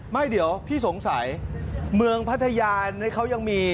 ไม่เดี๋ยวพี่สงสัยเมืองพัทยา